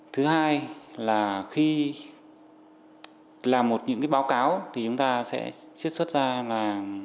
thứ hai là khi làm một những báo cáo thì chúng ta sẽ xét xuất ra là